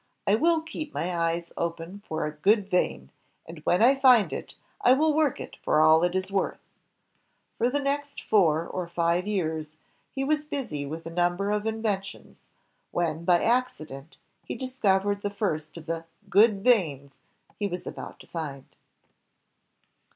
I will keep my eyes open for a 'good vein,' and when I find it, I will work it for all it is worth." For the next four or 172 INVENTIONS OF MANUFACTURE AND PRODUCTION five years, he was busy with a number of inventions, when by accident he discovered the first of the "good veins " he was to find.